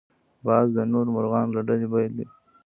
باز د نورو مرغانو له ډلې بېل دی